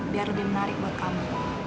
biar lebih menarik buat kamu